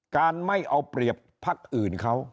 การไม่เอาเปรียบพักอื่นเขา